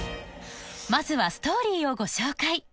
まずはストーリーをご紹介